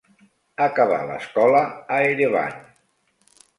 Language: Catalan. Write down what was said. Acabà l'escola a Erevan.